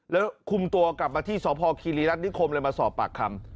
แล้วคุมตัวกลับมาที่สพคีรีรัฐนิคมเลยมาสอบปากคำ